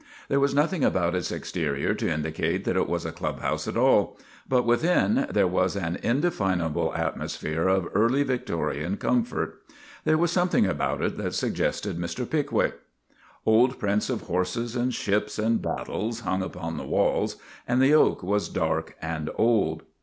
There was nothing about its exterior to indicate that it was a clubhouse at all, but within there was an indefinable atmosphere of early Victorian com fort. There was something about it that suggested Mr. Pickwick. Old prints of horses and ships and battles hung upon the walls, and the oak was dark and old.